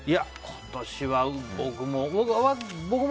今年は僕も。